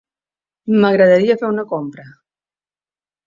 M'agradaria fer una compra.